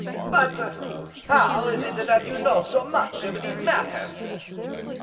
"But how is it that you know so much of these matters?"